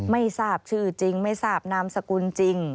ไม่ทราบชื่อจริงไม่ทราบนามสกุลจริง